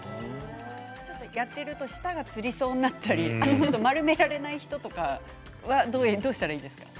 やっていると舌がつりそうになったり丸められない人はどうしたらいいですか？